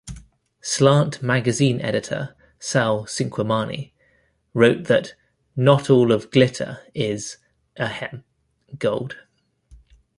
Slant Magazine editor Sal Cinquemani wrote that "not all of "Glitter" is, ahem, gold.